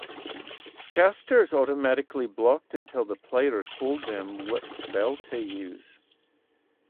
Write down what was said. Casters automatically blocked until the player told them what spell to use.